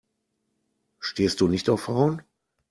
Stehst du nicht auf Frauen?